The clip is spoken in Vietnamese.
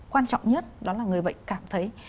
quan trọng nhất đó là người bệnh cảm thấy